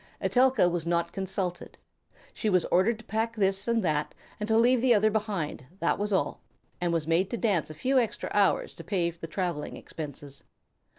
Etelka was not consulted. She was ordered to pack this and that, and to leave the other behind, that was all, and was made to dance a few extra hours to pay the travelling expenses.